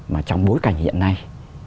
mà trong bối cảnh hiện nay